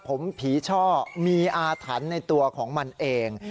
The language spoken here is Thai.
ผมผีช่อมีอาถรรพ์ในตัวของมันเอง